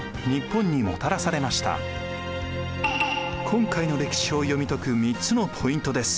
今回の歴史を読み解く３つのポイントです。